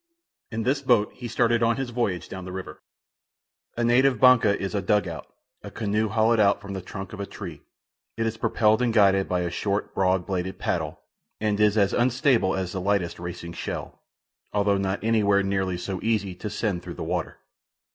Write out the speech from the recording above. In this boat he started on his voyage down the river. A native "banca" is a "dug out," a canoe hollowed out from the trunk of a tree. It is propelled and guided by a short, broad bladed paddle, and is as unstable as the lightest racing shell, although not any where nearly so easy to send through the water.